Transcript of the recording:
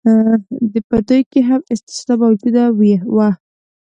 په دوی کې هم استثنا موجوده وه.